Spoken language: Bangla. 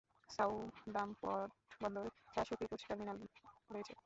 সাউদাম্পটন বন্দরে চার সক্রিয় ক্রুজ টার্মিনাল রয়েছে।